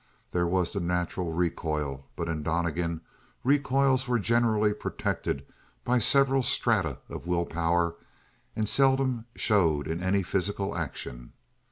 There was the natural recoil, but in Donnegan recoils were generally protected by several strata of willpower and seldom showed in any physical action.